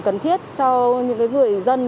cần thiết cho những người dân